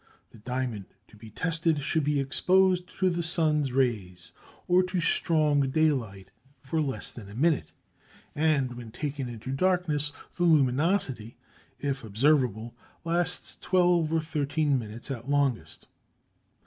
The diamond to be tested should be exposed to the sun's rays, or to strong daylight, for less than a minute, and when taken into darkness the luminosity, if observable, lasts twelve or thirteen minutes at longest.